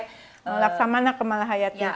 melaksanakan kemah hayatnya